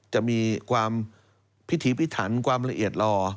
จะมีความพิธีพิถันความละเอียดรอ